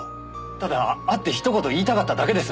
ただ会ってひと言言いたかっただけです。